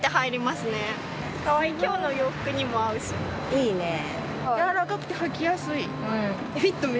いいねえ。